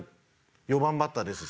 ４番バッターですし。